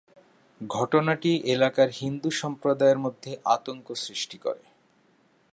ঘটনাটি এলাকার হিন্দু সম্প্রদায়ের মধ্যে আতঙ্ক সৃষ্টি করে।